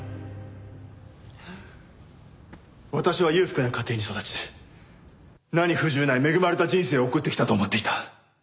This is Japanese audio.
私は裕福な家庭に育ち何不自由ない恵まれた人生を送ってきたと思っていた。